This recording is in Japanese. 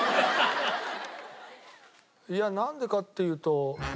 いやなんでかっていうと。